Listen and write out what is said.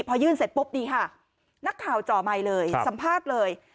พอยื่นเสร็จปุ๊บนี่ค่ะนักข่าวจ่อไมค์เลยสัมภาษณ์เลย